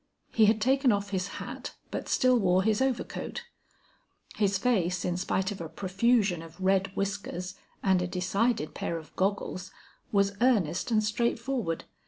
He had taken off his hat, but still wore his overcoat; his face in spite of a profusion of red whiskers and a decided pair of goggles, was earnest and straightforward.